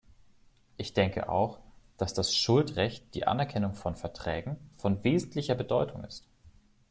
Ich denke auch, dass das Schuldrecht, die Anerkennung von Verträgen, von wesentlicher Bedeutung ist.